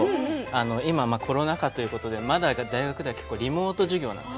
今、コロナ禍ということでまだ大学ではリモート授業なんです。